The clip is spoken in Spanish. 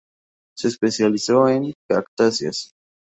Se especializó en cactáceas.